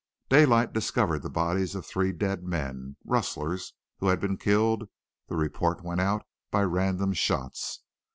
Daylight discovered the bodies of three dead men, rustlers, who had been killed, the report went out, by random shots.